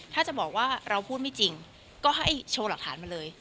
ถ้าจะบอกว่าเราพูดไม่จริงก็ให้โชว์หลักฐานมาเลย